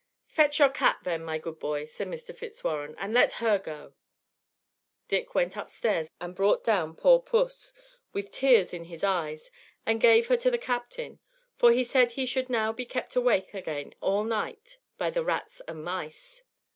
"Fetch your cat then, my good boy," said Mr. Fitzwarren, "and let her go." Dick went upstairs and brought down poor puss, with tears in his eyes, and gave her to the captain; for he said he should now be kept awake again all night by the rats and mice.